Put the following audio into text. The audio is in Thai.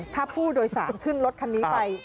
ถ้าผู้โดยสารขึ้นรถคันนี้ไป